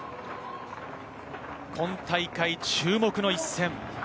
今大会、注目の一戦。